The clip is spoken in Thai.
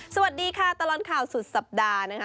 สวัสดีค่ะตลอดข่าวสุดสัปดาห์นะคะ